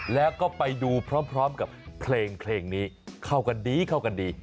แล้วก็ไปดูพร้อมกับเพลงนี้เข้ากันดีเข้ากันดี